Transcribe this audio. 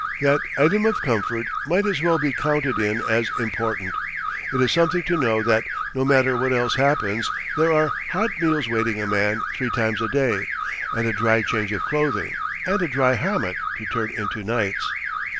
That item of comfort might as well be counted in as important. It is something to know that, no matter what else happens, there are hot meals waiting a man three times a day, and a dry change of clothing, and a dry hammock to turn into nights.